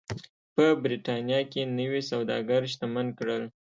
په برېټانیا کې نوي سوداګر شتمن کړل.